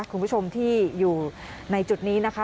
คุณผู้ชมที่อยู่ในจุดนี้นะคะ